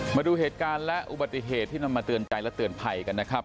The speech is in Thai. มาดูเหตุการณ์และอุบัติเหตุที่นำมาเตือนใจและเตือนภัยกันนะครับ